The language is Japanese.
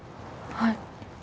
はい。